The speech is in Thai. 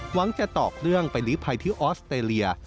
หวังจะตอกเรื่องไปลิฟท์ภายที่ออสเตรเลีย